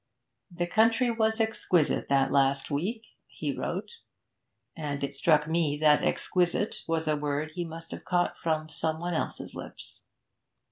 'The country was exquisite that last week,' he wrote; and it struck me that 'exquisite' was a word he must have caught from some one else's lips.